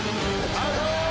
アウト！